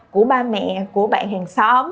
của ba mẹ của bạn hàng xóm